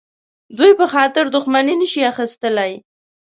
دوی په خاطر دښمني نه شي اخیستلای.